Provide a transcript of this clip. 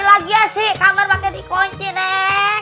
ini lagi ya sih kamar pake dikunci nek